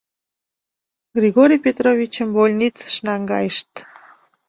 Григорий Петровичым больницыш наҥгайышт.